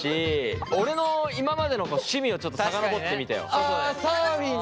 俺の今までの趣味をちょっと遡ってみてよ。